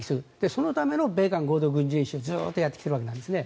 そのための米韓合同軍事演習をずっとやってきているんですね。